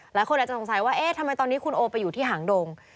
หลายคนอาจจะสงสัยว่าเอ๊ะทำไมตอนนี้คุณโอไปอยู่ที่หางดง